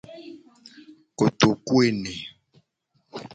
Kotokuene.